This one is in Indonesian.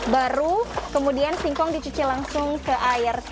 baru kemudian singkong dicuci langsung ke air